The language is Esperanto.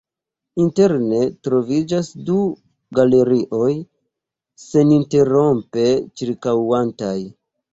Interne troviĝas du galerioj seninterrompe ĉirkaŭantaj.